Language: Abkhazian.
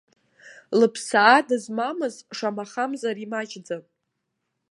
Лыԥсаа дызмамыз, шамахамзар, имаҷӡан.